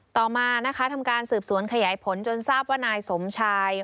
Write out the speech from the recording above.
ต่อมานะคะทำการสืบสวนขยายผลจนทราบว่านายสมชาย